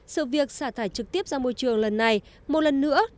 sự việc xả thải trực tiếp ra môi trường lần này một lần nữa